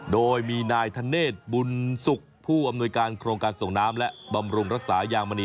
โดยมีนายธเนธบุญสุขผู้อำนวยการโครงการส่งน้ำและบำรุงรักษายางมณี